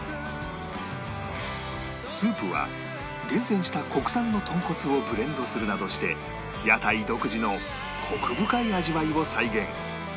スープは厳選した国産のとんこつをブレンドするなどして屋台独自のコク深い味わいを再現